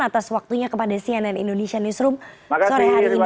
atas waktunya kepada cnn indonesia newsroom sore hari ini